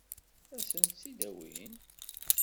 Ad sen-tt-id-awin?